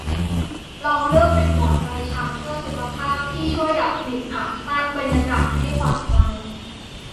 ลองเลือกเป็นหมอนใบชาเพื่อสุขภาพ ที่ช่วยดับกลิ่นอับ สร้างบรรยากาศให้ผ่อนคลาย